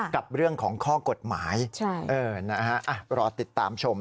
กับเรื่องของข้อกฎหมายใช่เออนะฮะอ่ะรอติดตามชม